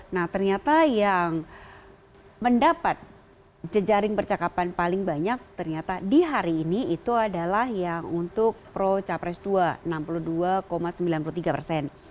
nah ternyata yang mendapat jejaring percakapan paling banyak ternyata di hari ini itu adalah yang untuk pro capres dua enam puluh dua sembilan puluh tiga persen